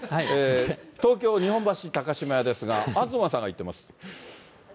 東京・日本橋高島屋ですが、東さんが行ってます。